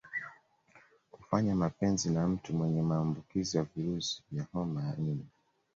Kufanya mapenzi na mtu mwenye maambukizi ya virusi vya homa ya ini